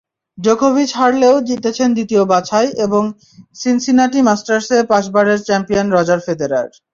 জোকোভিচ হারলেও জিতেছেন দ্বিতীয় বাছাই এবং সিনসিনাটি মাস্টার্সে পাঁচবারের চ্যাম্পিয়ন রজার ফেদেরার।